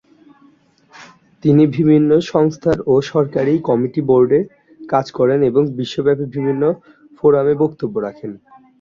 তিনি বিভিন্ন সংস্থার ও সরকারি কমিটির বোর্ডে কাজ করেন এবং বিশ্বব্যাপী বিভিন্ন ফোরামে বক্তব্য রাখেন।